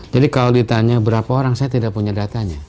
jadi kalau ditanya berapa orang saya tidak punya datanya